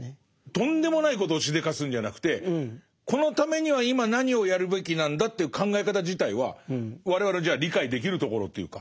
とんでもないことをしでかすんじゃなくてこのためには今何をやるべきなんだという考え方自体は我々じゃあ理解できるところというか。